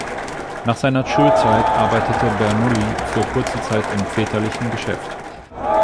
Nach seiner Schulzeit arbeitete Bernoulli für kurze Zeit im väterlichen Geschäft.